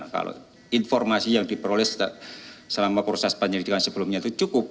kalau informasi yang diperoleh selama proses penyelidikan sebelumnya itu cukup